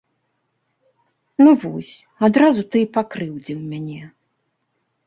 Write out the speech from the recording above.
Ну вось, адразу ты і пакрыўдзіў мяне.